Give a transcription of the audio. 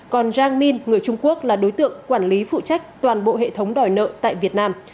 còn jangin người trung quốc là đối tượng quản lý phụ trách toàn bộ hệ thống đòi nợ tại việt nam